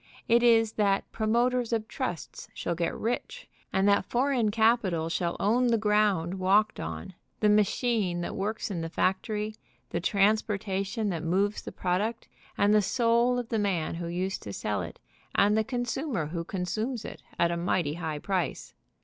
It is that promoters of trusts shall get rich, and that foreign capital shall own the ground walked on, the machine that works in the factory, the transportation that moves the product, and the soul of the man who used to sell it, and the consumer who consumes it at a mighty high price.